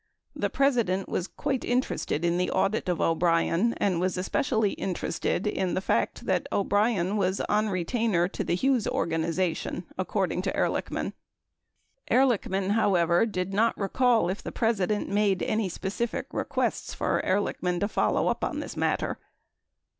The President was quite interested in the audit of O'Brien and was espe cially interested in the fact that O'Brien was on retainer to the Hughes organization, according to Ehrlichman. Ehrlichman, however, did not recall if the President made any specific requests for Ehrlich man to follow up on this matter.